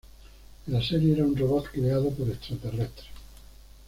En la serie era un robot creado por extraterrestres.